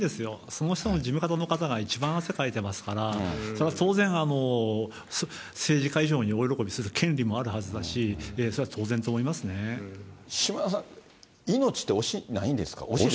そもそも事務方の方が一番汗かいてますから、それは当然、政治家以上に大喜びする権利もあるはずだし、島田さん、惜しいですよ。